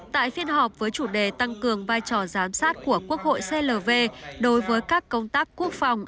tại phiên họp với chủ đề tăng cường vai trò giám sát của quốc hội clv đối với các công tác quốc phòng